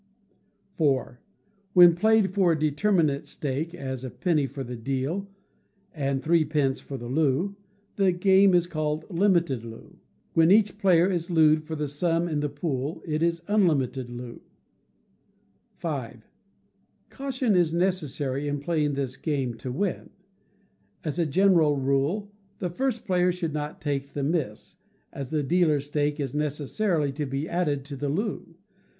iv. When played for a determinate stake, as a penny for the deal and three pence for the loo, the game is called Limited Loo. When each player is looed for the sum in the pool, it is Unlimited Loo. v. Caution is necessary in playing this game to win. As a general rule, the first player should not take the miss, as the dealer's stake is necessarily to be added to the loo.